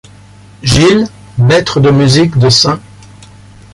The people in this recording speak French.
Gilles, Maître de Musique de St.